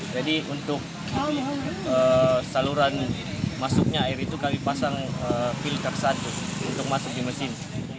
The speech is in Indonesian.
jadi untuk saluran masuknya air itu kami pasang filter satu untuk masuk di mesin